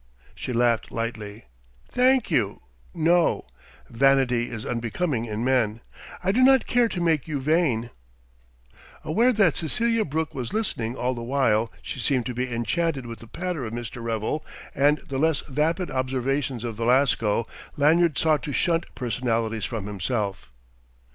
She laughed lightly. "Thank you, no; vanity is unbecoming in men; I do not care to make you vain." Aware that Cecelia Brooke was listening all the while she seemed to be enchanted with the patter of Mr. Revel and the less vapid observations of Velasco, Lanyard sought to shunt personalities from himself.